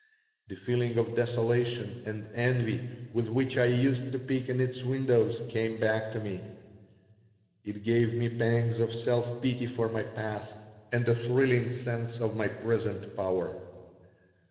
The feeling of desolation and envy with which I used to peek in its windows came back to me. It gave me pangs of self pity for my past and a thrilling sense of my present power.